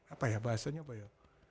apa ya bahasanya apa ya